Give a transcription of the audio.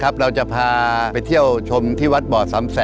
เป็นความเชื่อว่าหลวงพ่อพระนอนนั้นได้ให้กำลังใจในการที่จะสร้างสิ่งที่ดีงาม